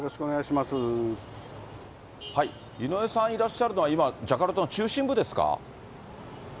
井上さんいらっしゃるのは今、ジャカルタの中心部ですか。